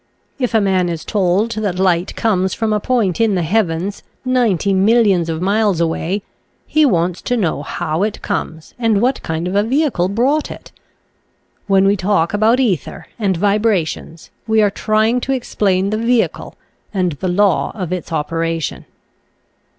If a man is told that light comes from a point in the heavens, ninety millions of miles away, he wants to know how it comes and what kind of a vehicle brought it. When we talk about ether and vibrations we are trying to explain the vehicle and the law of its operation.